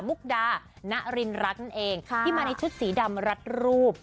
มุกดานรินรักนั่นเองที่มาในชุดสีดำรัดรูป